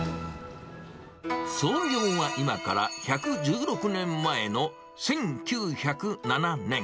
創業は今から１１６年前の１９０７年。